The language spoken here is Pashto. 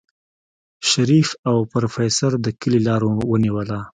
شريف او پروفيسر د کلي لار ونيوله.